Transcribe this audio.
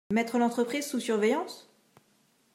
Mettre l’entreprise sous surveillance ?